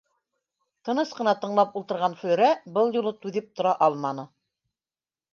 Тыныс ҡына тыңлап ултырған Флүрә был юлы түҙеп тора алманы: